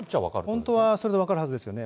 本当はそれで分かるはずですよね。